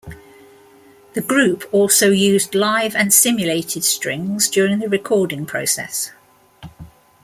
The group also used live and simulated strings during the recording process.